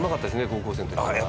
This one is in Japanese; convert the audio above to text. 高校生の時から。